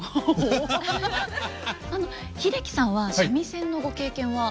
英樹さんは三味線のご経験は？